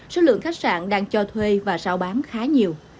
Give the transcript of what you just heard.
số lượng khách sạn đang cho thuê và sao bán khá nhiều